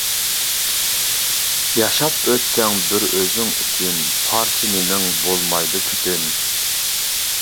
ياشاپ ئۆتسەڭ بىر ئۆزۈڭ ئۈچۈن، پارچە نېنىڭ بولمايدۇ پۈتۈن.